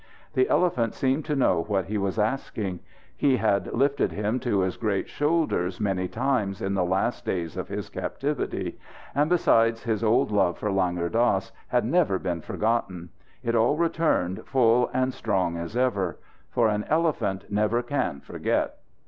The elephant seemed to know what he was asking. He had lifted him to his great shoulders many times, in the last days of his captivity. And besides, his old love for Langur Dass had never been forgotten. It all returned, full and strong as ever. For an elephant never can forget.